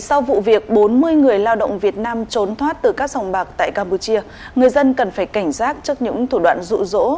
sau vụ việc bốn mươi người lao động việt nam trốn thoát từ các sòng bạc tại campuchia người dân cần phải cảnh giác trước những thủ đoạn rụ rỗ